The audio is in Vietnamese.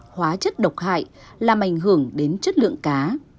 hóa chất độc hại làm ảnh hưởng đến chất lượng cá